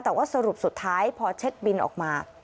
แต่ว่าสรุปสุดท้ายพอเช็คบินออกมา